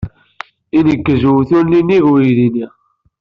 Ineggez uwtul nnig uydi-nni.